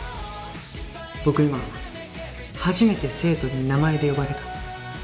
僕今初めて生徒に名前で呼ばれた。